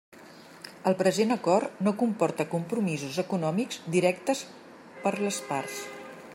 El present acord no comporta compromisos econòmics directes per a les parts.